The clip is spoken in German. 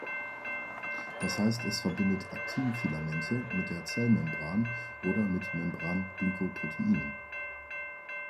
Das heißt, es verbindet Aktin-Filamente mit der Zellmembran oder mit Membran-Glykoproteinen.